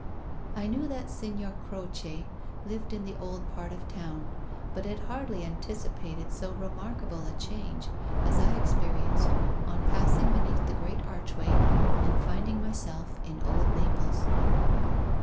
I knew that Signor Croce lived in the old part of the town, but had hardly anticipated so remarkable a change as I experienced on passing beneath the great archway and finding myself in old Naples.